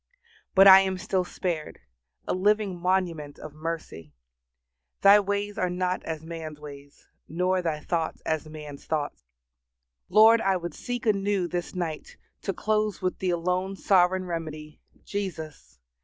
But I am still spared, a living monument of mercy. Thy ways are not as man's ways, nor Thy thoughts as man's thoughts. Lord, I would seek anew this night to close with the alone Sovereign remedy! Jesus!